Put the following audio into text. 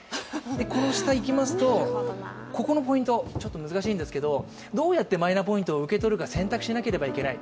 この下いきますと、ここのポイント、ちょっと難しいんですけどどうやってマイナポイントを受け取るか選択しないといけない。